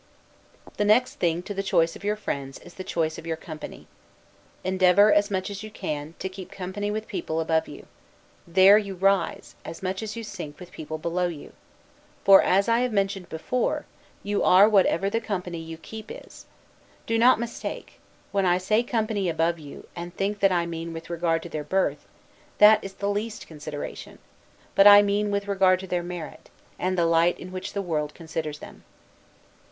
The next thing to the choice of your friends, is the choice of your company. Endeavor, as much as you can, to keep company with people above you: there you rise, as much as you sink with people below you; for (as I have mentioned before) you are whatever the company you keep is. Do not mistake, when I say company above you, and think that I mean with regard to, their birth: that is the least consideration; but I mean with regard to their merit, and the light in which the world considers them.